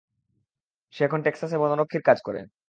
সে এখন টেক্সাসে বনরক্ষীর কাজ করে।